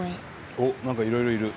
おっ何かいろいろいる。